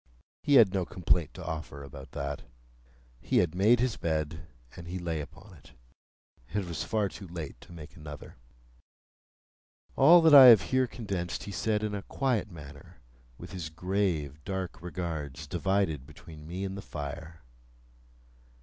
He had no complaint to offer about that. He had made his bed, and he lay upon it. It was far too late to make another. [Picture: The signal man] All that I have here condensed he said in a quiet manner, with his grave, dark regards divided between me and the fire.